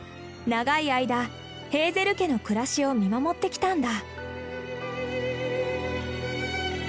長い間ヘーゼル家の暮らしを見守ってきたんだ。